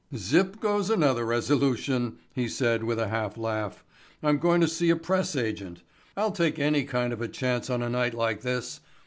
"Zip goes another resolution," he said with a half laugh. "I'm going to see a press agent. I'll take any kind of a chance on a night like this.